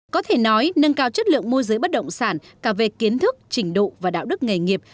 có thể nói nâng cao chất lượng môi giới bất động sản cả về kiến thức trình độ và đạo đức nghề nghiệp